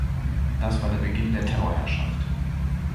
Das war der Beginn der Terrorherrschaft.